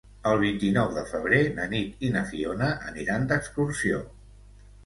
El vint-i-nou de febrer na Nit i na Fiona aniran d'excursió.